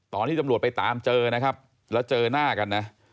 ตอนที่ตำรวจไปตามเจอนะครับแล้วเจอหน้ากันนะ